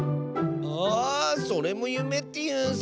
あそれもゆめっていうんスね！